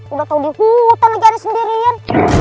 udah tau di hutan aja ada sendirian